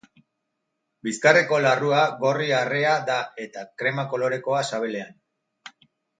Bizkarreko larrua gorri-arrea da eta krema kolorekoa sabelean.